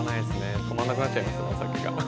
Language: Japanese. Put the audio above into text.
止まらなくなっちゃいますね、お酒が。